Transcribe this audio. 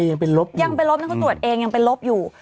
ยังเป็นลบนะครับตรวจเองยังเป็นลบอยู่